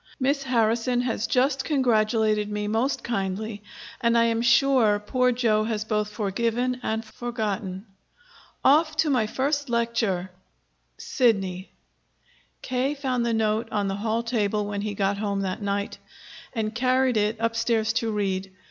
Miss Harrison has just congratulated me most kindly, and I am sure poor Joe has both forgiven and forgotten. Off to my first lecture! SIDNEY. K. found the note on the hall table when he got home that night, and carried it upstairs to read.